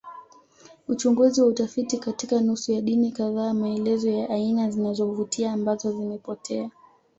Uchunguzi wa utafiti katika nusu ya dini kadhaa maelezo ya aina zinazovutia ambazo zimepotea